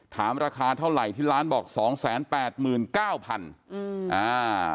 ราคาเท่าไหร่ที่ร้านบอกสองแสนแปดหมื่นเก้าพันอืมอ่า